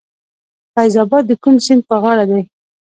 فیض اباد د کوم سیند په غاړه دی؟